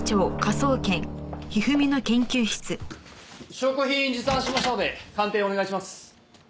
証拠品持参しましたので鑑定お願いします。